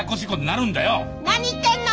何言ってんの！